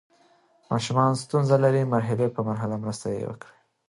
که ماشوم ستونزه لري، مرحلې په مرحله مرسته یې وکړئ.